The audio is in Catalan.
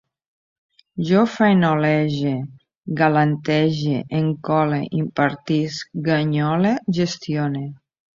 Jo faenolege, galantege, encole, impartisc, ganyole, gestione